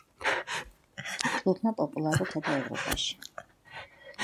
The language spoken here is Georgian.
ჯგუფმა პოპულარობა მოიპოვა დიდ ბრიტანეთსა და ევროპაში.